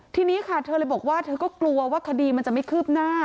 ทีนี้ค่ะเธอเลยบอกว่าเธอก็กลัวว่าคดีมันจะไม่คืบหน้า